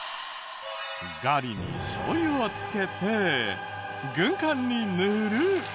ガリにしょう油を付けて軍艦に塗る。